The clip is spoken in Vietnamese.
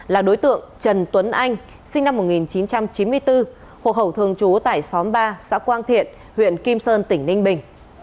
là đối tượng trần tuấn anh sinh năm một nghìn chín trăm chín mươi bốn hộ khẩu thường trú tại xóm ba xã quang thiện huyện kim sơn tỉnh ninh bình